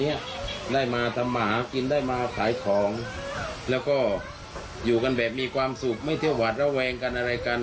อยู่กันแบบมีความสุขไม่เที่ยวหวาดระแวงกันอะไรกัน